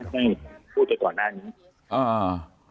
ไม่พูดจากต่อหน้านี้